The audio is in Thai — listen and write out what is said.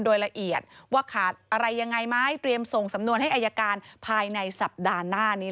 โดยละเอียดว่าขาดอะไรยังไงไหมเตรียมส่งสำนวนให้อายการภายในสัปดาห์หน้านี้